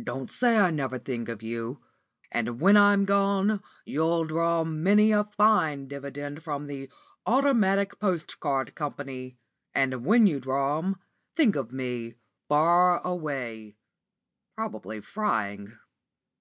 Don't say I never think of you. When I'm gone, you'll draw many a fine dividend from the 'Automatic Postcard Company.' And when you draw 'em, think of me, far away probably frying."